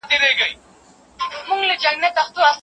تاسي بايد خپل کالي په لمر کي وچ کړئ.